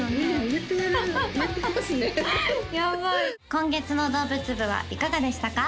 今月の動物部はいかがでしたか？